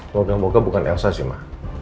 moga moga bukan elsa sih ma